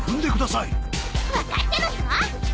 わかってますわ！